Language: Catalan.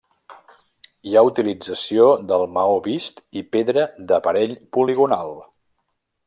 Hi ha utilització del maó vist i pedra d'aparell poligonal.